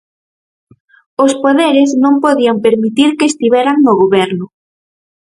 Os poderes non podían permitir que estiveran no Goberno.